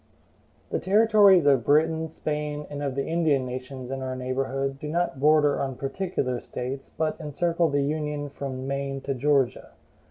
The territories of Britain, Spain, and of the Indian nations in our neighborhood do not border on particular States, but encircle the Union from Maine to Georgia.